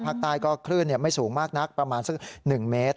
ภาคใต้ก็คลื่นไม่สูงมากนักประมาณสัก๑เมตร